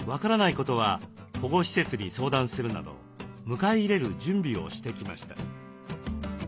ことは保護施設に相談するなど迎え入れる準備をしてきました。